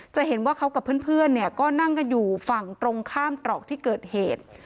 จะเห็นว่าเขากับเพื่อนเนี่ยก็นั่งกันอยู่ฝั่งตรงข้ามตรอกที่เกิดเหตุ